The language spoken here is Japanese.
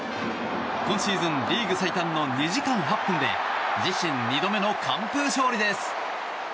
今シーズンリーグ最短の２時間８分で自身２度目の完封勝利です。